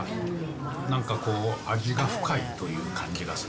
なんかこう、味が深いという感じがする。